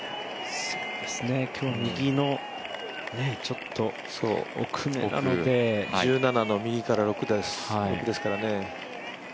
今日、右のちょっと奥めなので１７の右から奥ですからね。